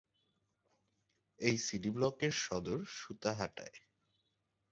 এই সিডি ব্লকের সদর সূতাহাটায়।